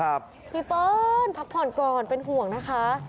พี่เปิ้ลพักผ่อนก่อนเป็นห่วงนะคะ